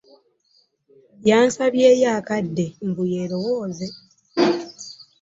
Yansabyeyo akadde mbu yeerowooze.